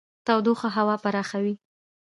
تودوخه هوا پراخوي.